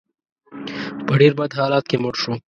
په ډېر بد حالت کې مړ شو.